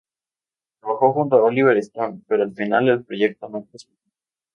Trabajó junto a Oliver Stone, pero al final el proyecto no prosperó.